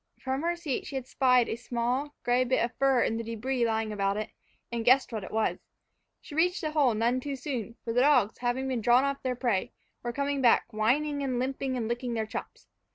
From her seat she had spied a small, gray bit of fur in the debris lying about it, and guessed what it was. She reached the hole none too soon; for the dogs, having been drawn off their prey, were coming back, whining and limping and licking their chops.